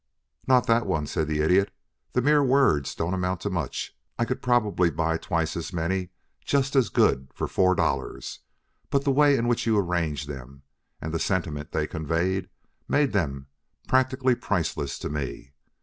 "Not that one," said the Idiot. "The mere words don't amount to much. I could probably buy twice as many just as good for four dollars, but the way in which you arranged them, and the sentiment they conveyed, made them practically priceless to me.